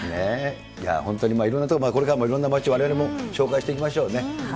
本当にいろんな所、これからもいろんな街をわれわれも紹介していきましょうね。